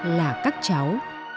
là các cháu